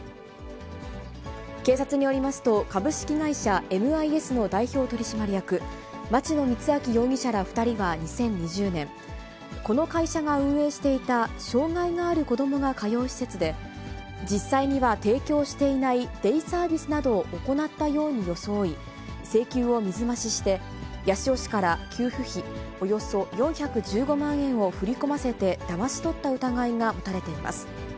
警察によりますと、株式会社ＭＩＳの代表取締役、町野光明容疑者ら２人は２０２０年、この会社が運営していた、障がいのある子どもが通う施設で、実際には提供していないデイサービスなどを行ったように装い、請求を水増しして八潮市から給付費およそ４１５万円を振り込ませてだまし取った疑いが持たれています。